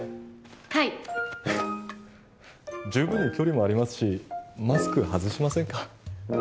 はい十分に距離もありますしマスク外しませんか？